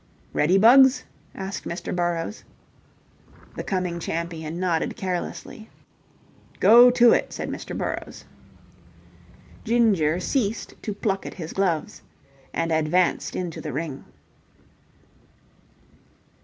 "Ready, Bugs?" asked Mr. Burrowes. The coming champion nodded carelessly. "Go to it," said Mr. Burrowes. Ginger ceased to pluck at his gloves and advanced into the ring.